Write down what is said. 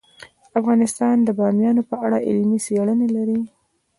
افغانستان د بامیان په اړه علمي څېړنې لري.